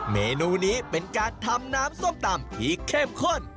เมนูนี้เป็นการทำน้ำส้มตำที่เข้มข้น